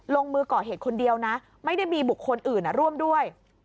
ลงมือก่อเหตุคนเดียวนะไม่ได้มีบุคคลอื่นร่วมด้วย